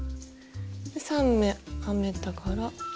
で３目編めたから。